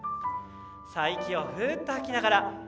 息をふっと吐きながら。